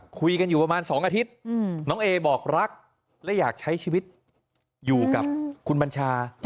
คุยกันอยู่ประมาณ๒อาทิตย์น้องเอบอกรักและอยากใช้ชีวิตอยู่กับคุณบัญชา